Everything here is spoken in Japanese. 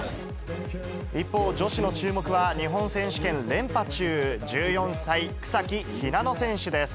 一方、女子の注目は、日本選手権連覇中、１４歳、草木ひなの選手です。